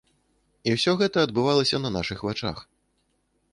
І ўсё гэта адбывалася на нашых вачах.